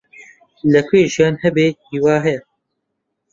لەکوێ ژیان هەبێت، هیوا هەیە.